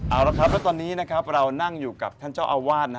เอาละครับแล้วตอนนี้นะครับเรานั่งอยู่กับท่านเจ้าอาวาส